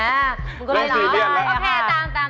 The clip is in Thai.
มันก็เรศีย์เลย